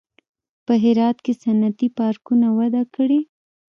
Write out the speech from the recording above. په هرات کې صنعتي پارکونه وده کړې